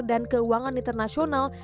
dan keuangan internasional